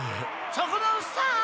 ・そこのおっさん！